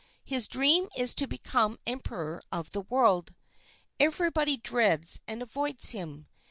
"His dream is to become emperor of the world. Everybody dreads and avoids him.